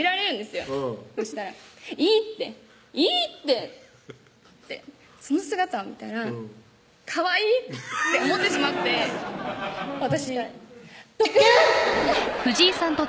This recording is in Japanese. よそしたら「いいって！いいって！」ってその姿を見たらかわいいって思ってしまって私トクン！